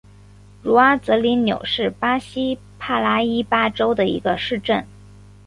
茹阿泽里纽是巴西帕拉伊巴州的一个市镇。